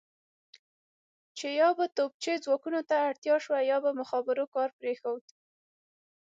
چې یا به توپچي ځواکونو ته اړتیا شوه یا به مخابرو کار پرېښود.